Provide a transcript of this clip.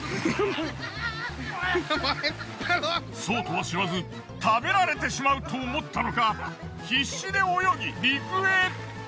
そうとは知らず食べられてしまうと思ったのか必死で泳ぎ陸へ。